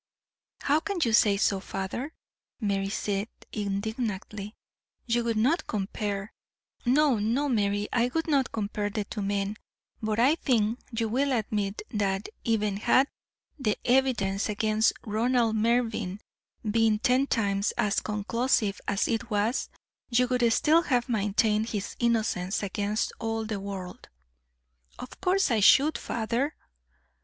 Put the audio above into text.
"How can you say so, father?" Mary said, indignantly; "you would not compare " "No, no, Mary; I would not compare the two men; but I think you will admit that even had the evidence against Ronald Mervyn been ten times as conclusive as it was, you would still have maintained his innocence against all the world." "Of course I should, father."